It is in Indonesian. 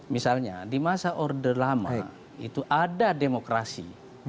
misalnya di masa orde lama itu ada demokrasi